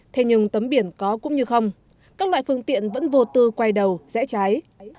thế nhưng tấm biển có cũng như không các loại phương tiện vẫn vô tư quay đầu rẽ trái